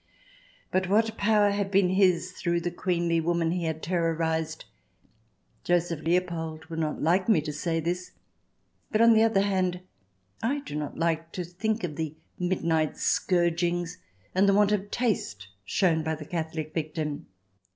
But what power had been his through the queenly woman he had terrorized! Joseph Leopold will not like me to say this. But, on the other hand, I do not like to think of the midnight scourgings and the want of taste shown by the Catholic victim.